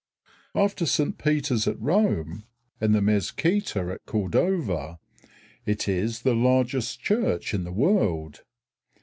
After St. Peter's at Rome and the Mezquita at Cordova, it is the largest church in the world.